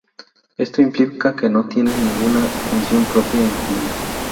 Esto implica que no tienen ninguna función propia en común.